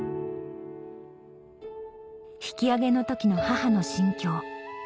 引き揚げの時の母の心境